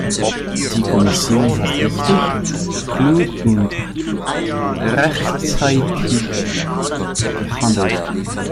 Die Kommission hat richtig, klug und rechtzeitig gehandelt.